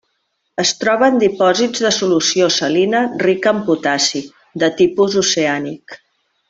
Es troba en dipòsits de solució salina rica en potassi, de tipus oceànic.